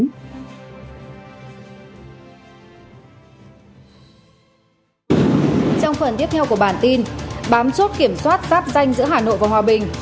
trong phần tiếp theo của bản tin bám chốt kiểm soát giáp danh giữa hà nội và hòa bình